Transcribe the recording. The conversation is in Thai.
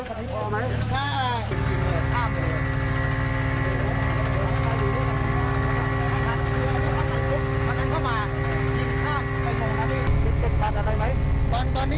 ตอนนี้ยังไม่ติดต่างกับพี่